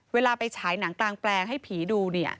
เวลาไปฉายหนังกลางแปลงให้ผีดูเนี่ย